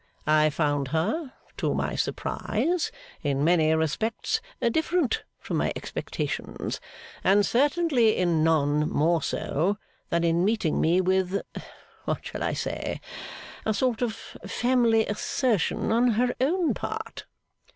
I found her, to my surprise, in many respects different from my expectations; and certainly in none more so, than in meeting me with what shall I say a sort of family assertion on her own part?